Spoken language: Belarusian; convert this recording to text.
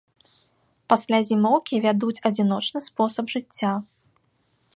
Пасля зімоўкі вядуць адзіночны спосаб жыцця.